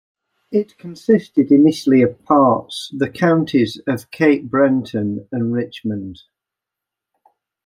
It consisted initially of parts the Counties of Cape Breton and Richmond.